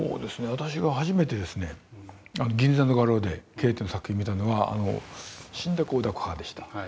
私が初めて銀座の画廊でケーテの作品を見たのは「死んだ子を抱く母」でした。